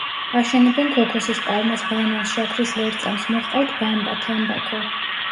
აშენებენ ქოქოსის პალმას, ბანანს, შაქრის ლერწამს, მოჰყავთ ბამბა, თამბაქო.